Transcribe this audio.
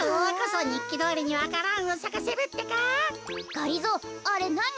がりぞーあれなに？